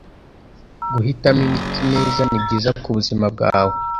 Guhitamo imiti neza ni byiza ku buzima bwawe.